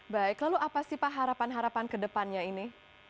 baik lalu apa sih pak harapan harapan ke depannya ini